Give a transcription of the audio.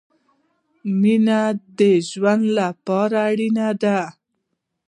مينه د ژوند له پاره اړينه ده